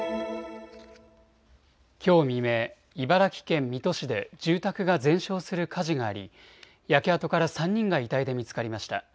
きょう未明、茨城県水戸市で住宅が全焼する火事があり焼け跡から３人が遺体で見つかりました。